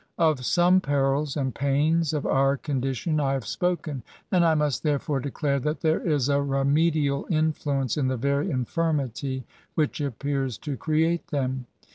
Of some perils and pains of our condi tion I haye spoken^ and I must therefore declare that there is a remedial influence in the very infirmity which appeared to create them.